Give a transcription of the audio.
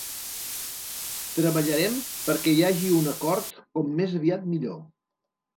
Treballarem perquè hi hagi un acord com més aviat millor.